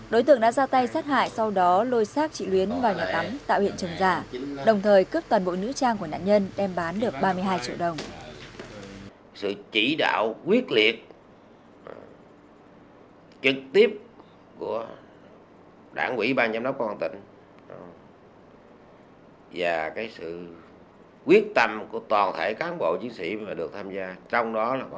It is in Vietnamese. đối tượng đã ra tay sát hại sau đó lôi xác chị luyến vào nhà tắm tạo hiện trường giả đồng thời cướp toàn bộ nữ trang của nạn nhân đem bán được ba mươi hai triệu đồng